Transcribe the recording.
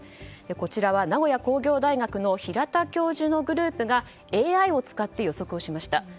こちらは名古屋工業大学の平田教授のグループがＡＩを使って予測しました。